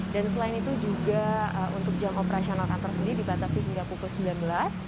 dan selain itu juga untuk jam operasional kantor sendiri dibatasi hingga pukul sembilan belas